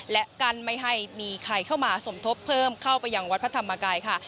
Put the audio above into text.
และกั้นไม่ให้มีใครเข้ามาสมทบเพิ่มเข้าไปยังวัดพระธรรมกายค่ะ